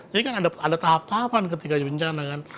jadi kan ada tahap tahapan ketika ada bencana kan